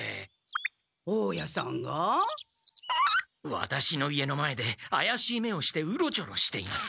ワタシの家の前であやしい目をしてうろちょろしています。